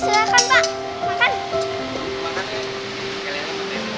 silakan pak makan